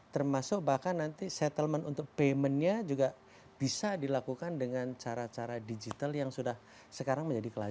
termasuk bahkan nanti settlement untuk payment nya juga bisa dilakukan dengan cara cara digital yang sudah sekarang menjadi kelanjutan